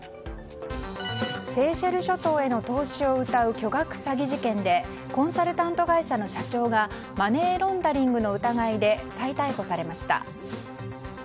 セーシェル諸島への投資をうたう巨額詐欺事件でコンサルタント会社の社長がマネーロンダリングの疑いで再逮捕されました。